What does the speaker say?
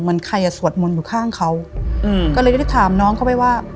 เหมือนใครอ่ะสวดมนต์อยู่ข้างเขาอืมก็เลยได้ถามน้องเขาไปว่า